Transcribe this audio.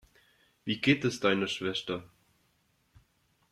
Wie geht es deiner Schwester?